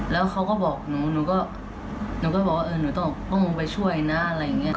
แล้วเขาก็บอกหนูหนูก็หนูก็บอกว่าเออหนูต้องลงไปช่วยนะอะไรอย่างนี้